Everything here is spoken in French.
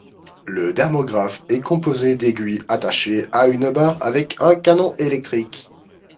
Le dermographe est composé d'aiguilles attachées à une barre avec un canon électrique.